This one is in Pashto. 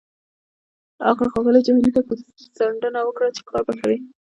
هغه ښاغلي جهاني ته کوتڅنډنه وکړه چې کار به کوي.